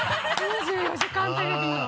「２４時間テレビ」の。